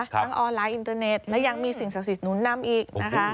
ออนไลน์อินเทอร์เน็ตและยังมีสิ่งศักดิ์สิทธิหนุนนำอีกนะคะ